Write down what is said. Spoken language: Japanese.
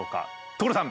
所さん！